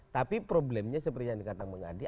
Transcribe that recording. tapi problemnya seperti yang dikatakan mengadi